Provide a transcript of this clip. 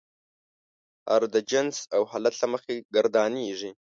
هر د جنس او حالت له مخې ګردانیږي.